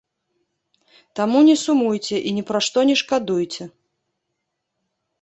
Таму не сумуйце і ні пра што не шкадуйце.